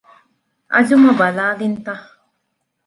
އަޖުމަ ބަލާލިންތަ؟